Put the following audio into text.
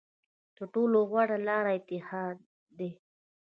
تر ټولو غوره لاره اتحاد دی.